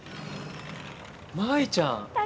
舞ちゃん！